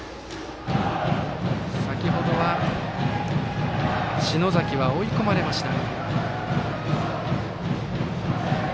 先ほどは篠崎は追い込まれました。